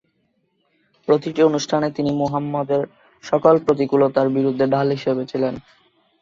প্রতিটি অনুষ্ঠানে তিনি মুহাম্মাদের সকল প্রতিকূলতার বিরুদ্ধে ঢাল হিসাবে ছিলেন।